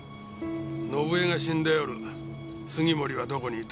伸枝が死んだ夜杉森はどこにいた？